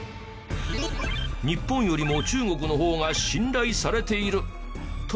日本よりも中国の方が信頼されているという結果に。